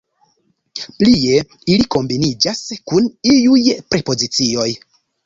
Plie, ili kombiniĝas kun iuj prepozicioj.